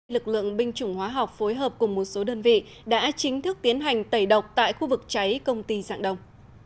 lực lượng binh chủng hóa học phối hợp cùng một số đơn vị đã chính thức tiến hành tẩy độc tại khu vực cháy công ty dạng đông